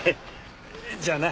じゃあな。